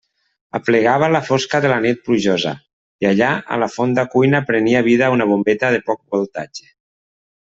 Aplegava la fosca de la nit plujosa i allà a la fonda cuina prenia vida una bombeta de poc voltatge.